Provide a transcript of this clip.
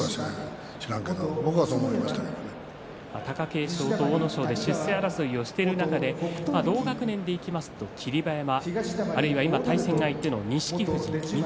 貴景勝と阿武咲で出世争いをしている中で同学年でいきますと霧馬山あるいは今対戦相手の錦富士や翠